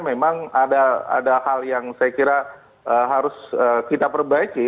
memang ada hal yang saya kira harus kita perbaiki